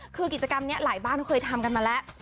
คือกิจกรรมนี้หลายบ้านเขาเคยทำกันมาแล้ว